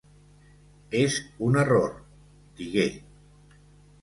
"És un error", digué.